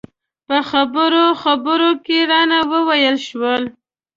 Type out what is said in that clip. په خبرو خبرو کې رانه وویل شول.